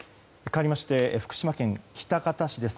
かわりまして福島県喜多方市です。